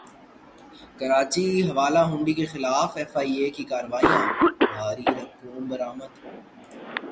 کراچی حوالہ ہنڈی کیخلاف ایف ائی اے کی کارروائیاں بھاری رقوم برامد